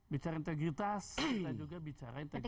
bicara integritas kita juga bicara integritas